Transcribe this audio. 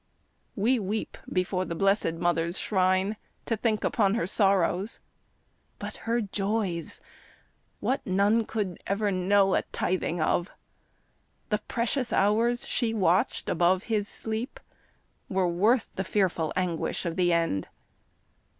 We weep before the Blessed Mother's shrine, To think upon her sorrows, but her joys What nun could ever know a tithing of? The precious hours she watched above His sleep Were worth the fearful anguish of the end.